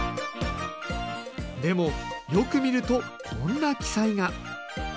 でもよく見るとこんな記載が。